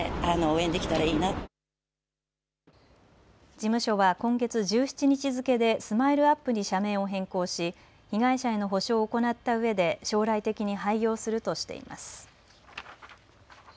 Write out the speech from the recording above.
事務所は今月１７日付けでＳＭＩＬＥ−ＵＰ．に社名を変更し被害者への補償を行ったうえで将来的に廃業するとしています。